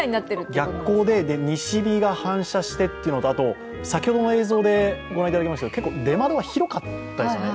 逆光で西日が反射してというのと、あと、先ほどの映像で御覧いただきましたように、出窓が結構広かったですよね。